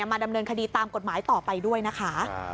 มาดำเนินคดีตามกฎหมายต่อไปด้วยนะคะ